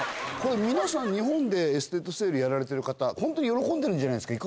日本でエステートセールやられてる方喜んでるんじゃないですか？